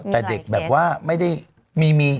แต่เด็กแบบว่าไม่ได้มี